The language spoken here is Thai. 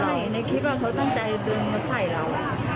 ใช่ในคลิปเขาตั้งใจดึงมาใส่เรา